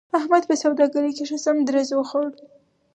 احمد په سوداګرۍ کې ښه سم درز و خوړ.